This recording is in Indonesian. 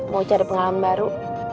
mau cari pengalaman baru